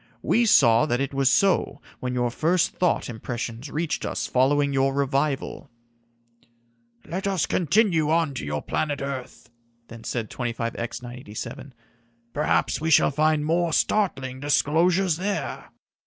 We saw that it was so when your first thought impressions reached us following your revival." "Let us continue on to your planet earth," then said 25X 987. "Perhaps we shall find more startling disclosures there."